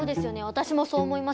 私もそう思います。